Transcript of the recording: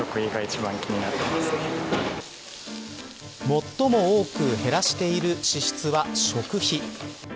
最も多く減らしている支出は食費。